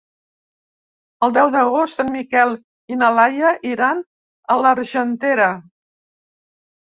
El deu d'agost en Miquel i na Laia iran a l'Argentera.